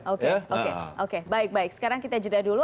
oke oke baik baik sekarang kita jeda dulu